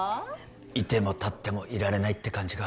いてもたってもいられないって感じか